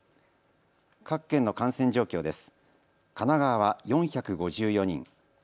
各県の感染状況です。